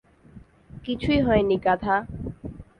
কিছুই হয় নি, গাঁধা।